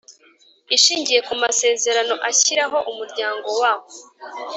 Ishingiye ku Masezerano ashyiraho Umuryango wa